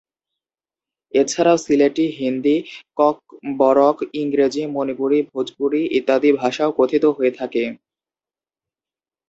এছাড়াও সিলেটি, হিন্দি, ককবরক, ইংরেজি, মণিপুরি, ভোজপুরি ইত্যাদি ভাষাও কথিত হয়ে থাকে।